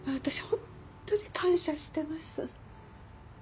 本当に感謝してます。